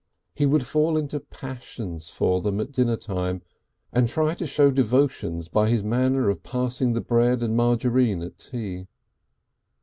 He would fall into passions for them at dinner time, and try and show devotions by his manner of passing the bread and margarine at tea.